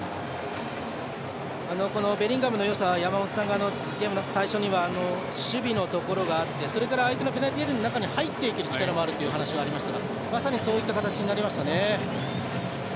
ベリンガムのよさは山本さんがゲームの最初には守備のところがあって相手のペナルティーエリアの中に入っていける力があるというお話がありましたがまさに、そういった形になりましたね。